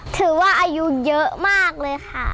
ถือว่าอายุเยอะมากเลยค่ะ